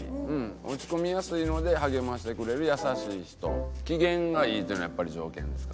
「落ち込みやすいので励ましてくれる優しい人」「機嫌がいい」っていうのはやっぱり条件ですか？